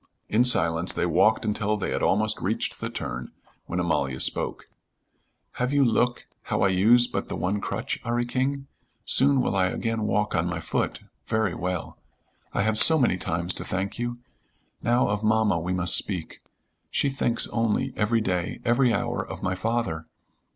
In silence they walked until they had almost reached the turn, when Amalia spoke. "Have you look, how I use but the one crutch, 'Arry King? Soon will I again walk on my foot, very well. I have so many times to thank you. Now of mamma we must speak. She thinks only, every day, every hour, of my father.